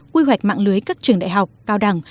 quy hoạch mạng lưới các trường đại học cao đẳng